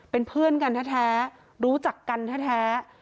เป็นเพื่อนกันแท้รู้จักกันแท้